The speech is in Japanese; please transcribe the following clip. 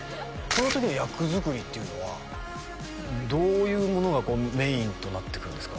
この時の役作りっていうのはどういうものがメインとなってくるんですか？